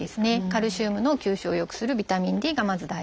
カルシウムの吸収を良くするビタミンＤがまず大事。